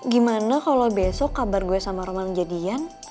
gimana kalo besok kabar gua sama roman jadian